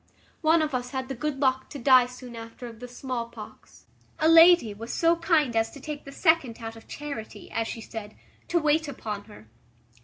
One of us had the good luck to die soon after of the small pox; a lady was so kind as to take the second out of charity, as she said, to wait upon her.